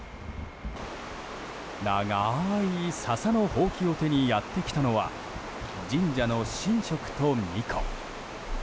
長い笹のほうきを手にやってきたのは神社の神職と巫女。